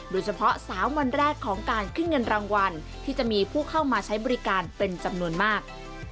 โดยเฉพาะ๓วันแรกของการขึ้นเงินรางวัลที่จะมีผู้เข้ามาใช้บริการเป็นจำนวนมาก